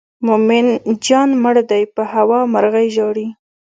مومن جان مړ دی په هوا مرغۍ ژاړي.